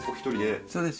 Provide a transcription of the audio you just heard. そうです。